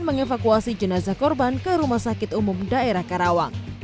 mengevakuasi jenazah korban ke rumah sakit umum daerah karawang